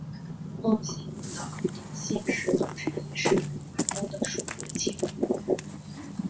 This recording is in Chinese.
孟姓的得姓始祖之一是鲁桓公的庶子庆父。